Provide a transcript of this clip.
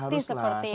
pasti seperti itu